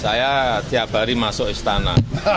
saya tiap hari masuk istana